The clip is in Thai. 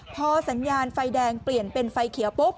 พอสัญญาณไฟแดงเปลี่ยนเป็นไฟเขียวปุ๊บ